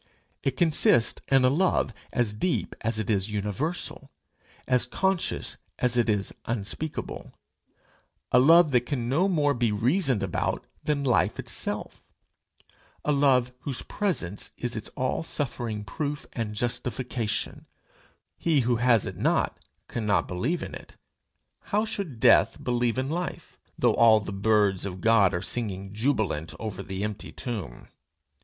It consists in a love as deep as it is universal, as conscious as it is unspeakable; a love that can no more be reasoned about than life itself a love whose presence is its all sufficing proof and justification, whose absence is an annihilating defect: he who has it not cannot believe in it: how should death believe in life, though all the birds of God are singing jubilant over the empty tomb!